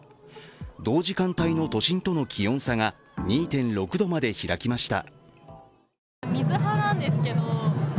同時間帯の都心との気温差は２．６度まで開きました。